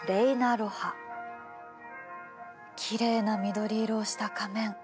きれいな緑色をした仮面。